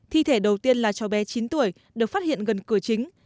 thi thể đầu tiên là cháu bé chín tuổi được phát hiện gần cửa chính